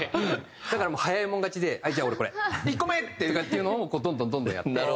だからもう早い者勝ちで「はいじゃあ俺これ！」とかっていうのをどんどんどんどんやって。